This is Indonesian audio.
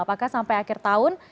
apakah sampai akhir tahun